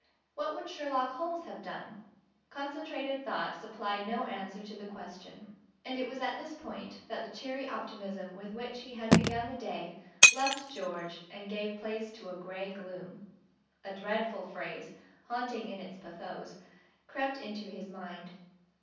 What would Sherlock Holmes have done? Concentrated thought supplied no answer to the question; and it was at this point that the cheery optimism with which he had begun the day left George and gave place to a grey gloom. A dreadful phrase, haunting in its pathos, crept into his mind.